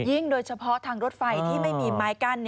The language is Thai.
โดยเฉพาะทางรถไฟที่ไม่มีไม้กั้น